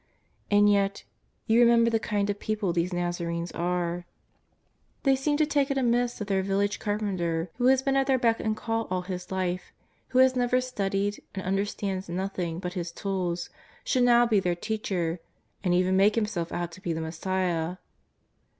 And yet — you remember the kind of people these E'azarenes are — they seem to take it 168 JESUS OF NAZARETH. amiss that their village carpenter, who has been at their beck and call all His life, who has never studied, and understands nothing but His tools, should now be their teacher, and even make Himself out to be the Messiah.